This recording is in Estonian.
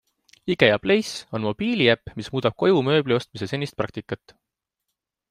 IKEA Place on mobiiliäpp, mis muudab koju mööbli ostmise senist praktikat.